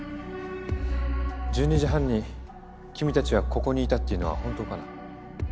１２時半に君たちはここにいたっていうのは本当かな？